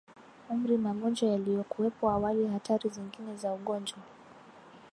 Umri magonjwa yaliyokuwepo awali hatari zingine za ugonjwa